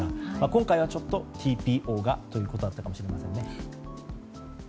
今回はちょっとＴＰＯがということだったかもしれません。